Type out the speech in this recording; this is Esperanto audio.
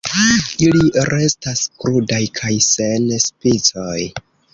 Ili restas krudaj kaj sen spicoj.